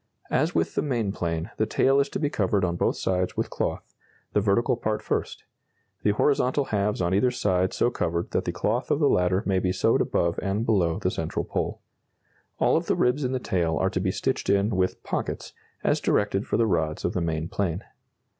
As with the main plane, the tail is to be covered on both sides with cloth, the vertical part first; the horizontal halves on either side so covered that the cloth of the latter may be sewed above and below the central pole. All of the ribs in the tail are to be stitched in with "pockets," as directed for the rods of the main plane.